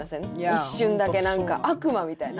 一瞬だけ悪魔みたいな。